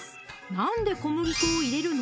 なんで小麦粉を入れるの？